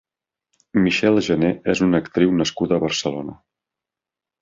Michelle Jenner és una actriu nascuda a Barcelona.